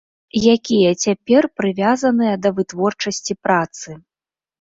Якія цяпер прывязаныя да вытворчасці працы.